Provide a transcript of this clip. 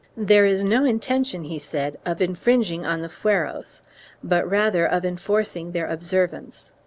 "There is no intention" he said "of infringing on the fueros but rather of enforcing their observance.